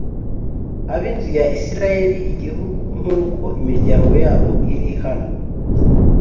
ab inzu ya Isirayeli igihugu nk uko imiryango yabo iri hano